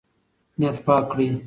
نیت پاک کړئ.